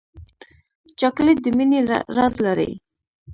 چاکلېټ د مینې راز لري.